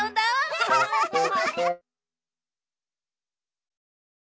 アハハハ！